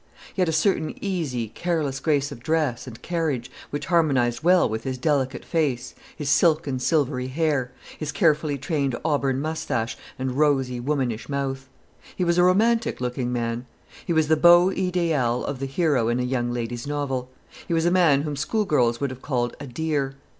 He had a certain easy, careless grace of dress and carriage, which harmonised well with his delicate face, his silken silvery hair, his carefully trained auburn moustache, and rosy, womanish mouth. He was a romantic looking man. He was the beau ideal of the hero in a young lady's novel. He was a man whom schoolgirls would have called "a dear."